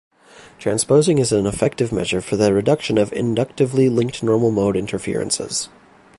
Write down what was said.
Transposing is an effective measure for the reduction of inductively linked normal mode interferences.